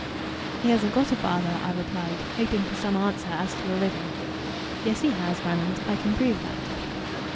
"He hasn't got a father," I replied, hoping for some answer as to a riddle. "Yes, he has, Ranald: I can prove that.